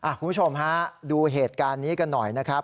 คุณผู้ชมฮะดูเหตุการณ์นี้กันหน่อยนะครับ